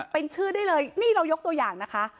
เป็นชื่อได้เลยนี่เรายกตัวอย่างนะคะ